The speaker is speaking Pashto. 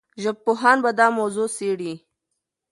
ژبپوهان به دا موضوع څېړي.